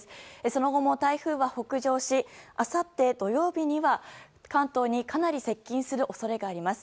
その後も台風は北上しあさって土曜日には関東にかなり接近する恐れがあります。